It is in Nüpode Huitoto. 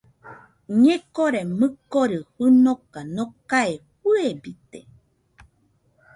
Ñekore mɨkori fɨnoka nokae fɨebite